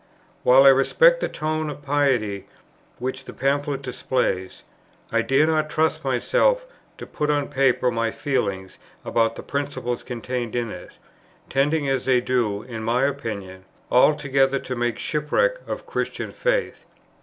"While I respect the tone of piety which the Pamphlet displays, I dare not trust myself to put on paper my feelings about the principles contained in it; tending as they do, in my opinion, altogether to make shipwreck of Christian faith.